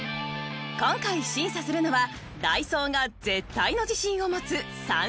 今回審査するのはダイソーが絶対の自信を持つ３商品